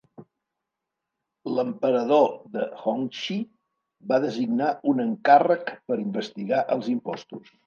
L'emperador de Hongxi va designar un encàrrec per investigar els impostos.